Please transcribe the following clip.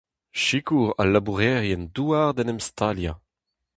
Sikour al labourerien-douar d'en em staliañ.